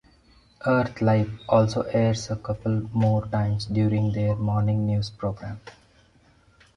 "Earth Live" also airs a couple more times during their morning news programme.